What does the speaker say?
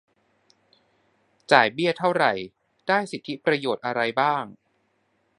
จ่ายเบี้ยเท่าไร ได้สิทธิประโยชน์อะไรบ้าง